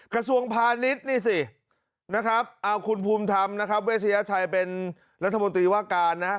กระทรวงพาณิชย์เอาคุณภูมิธรรมเวชยาชัยเป็นรัฐมนตรีว่าการ